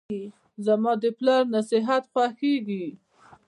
زماد پلار نصیحت خوښیږي.